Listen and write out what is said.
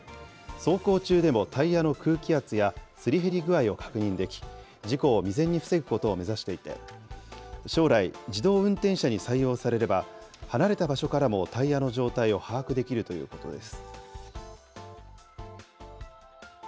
走行中でもタイヤの空気圧やすり減り具合を確認でき、事故を未然に防ぐことを目指していて、将来、自動運転車に採用されれば、離れた場所からもタイヤの状態を把握できるということです。